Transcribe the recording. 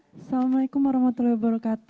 assalamualaikum wr wb